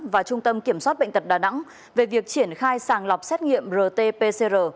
và trung tâm kiểm soát bệnh tật đà nẵng về việc triển khai sàng lọc xét nghiệm rt pcr